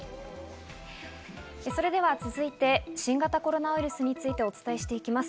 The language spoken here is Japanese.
それでは続いて新型コロナウイルスについてお伝えしていきます。